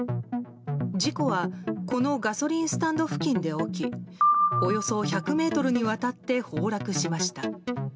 事故は、このガソリンスタンド付近で起きおよそ１００ｍにわたって崩落しました。